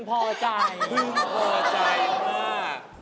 เพิ่มพอใจมาก